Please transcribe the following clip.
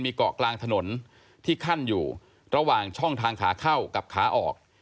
เกาะกลางถนนที่ขั้นอยู่ระหว่างช่องทางขาเข้ากับขาออก